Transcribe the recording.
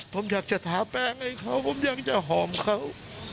ผมอยากจะทาแป้งให้เขาผมอยากจะหอมเขา